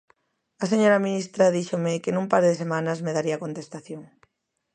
A señora ministra díxome que nun par de semanas me daría contestación.